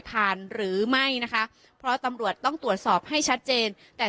ฐานหรือไม่นะคะเพราะตำรวจต้องตรวจสอบให้ชัดเจนแต่